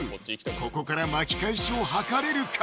ここから巻き返しを図れるか？